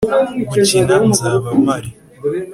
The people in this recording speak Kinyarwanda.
gukina, nzaba mpari.